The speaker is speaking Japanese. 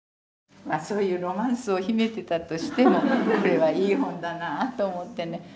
そういうロマンスを秘めてたとしてもこれはいい本だなぁと思ってね